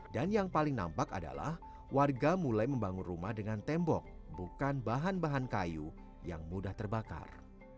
dan yang paling nampak adalah warga mulai membangun rumah dengan tembok bukan bahan bahan kayu yang mudah terbakar